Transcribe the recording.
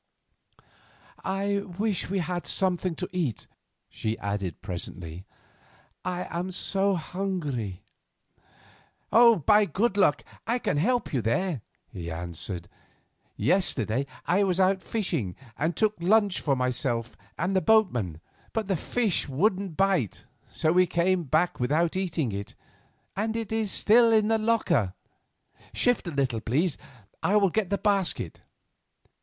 "I wish we had something to eat," she added presently; "I am so hungry." "By good luck I can help you there," he answered. "Yesterday I was out fishing and took lunch for myself and the boatman; but the fish wouldn't bite, so we came back without eating it, and it is still in the locker. Shift a little, please, I will get the basket."